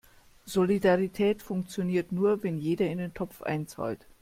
Solidarität funktioniert nur, wenn jeder in den Topf einzahlt.